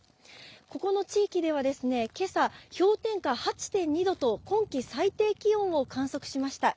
ここの地域では、けさ、氷点下８．２度と、今季最低気温を観測しました。